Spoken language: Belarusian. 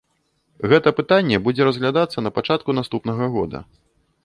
Гэта пытанне будзе разглядацца на пачатку наступнага года.